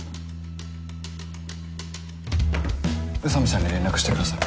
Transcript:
宇佐美さんに連絡してください。